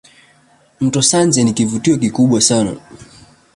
Mto Sanje ni kivutio kikubwa sana